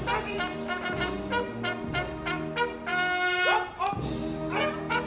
อัศวินธรรมชาติ